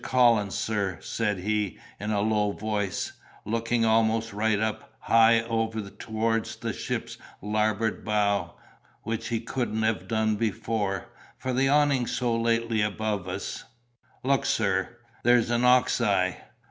Collins, sir,' said he, in a low voice, looking almost right up, high over toward the ship's larboard bow, which he couldn't have done before, for the awnings so lately above us, 'look, sir—there's an ox eye!